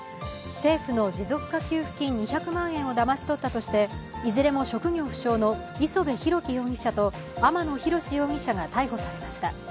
政府の持続化給付金２００万円をだまし取ったとしていずれも職業不詳の磯辺裕樹容疑者と天野宏容疑者が逮捕されました。